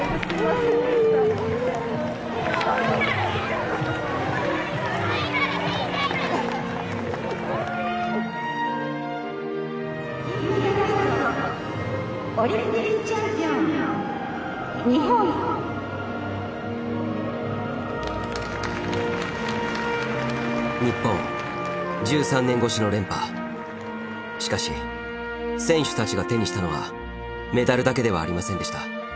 しかし選手たちが手にしたのはメダルだけではありませんでした。